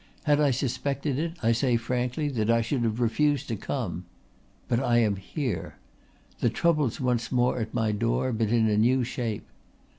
Had I suspected it I say frankly that I should have refused to come. But I am here. The trouble's once more at my door but in a new shape.